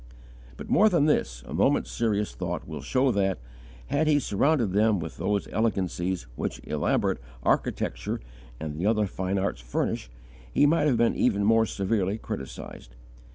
But, more than this, a moment's serious thought will show that, had he surrounded them with those elegancies which elaborate architecture and the other fine arts furnish, he might have been even more severely criticised.